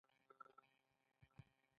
دریم پړاو د دوران یو مهم پړاو دی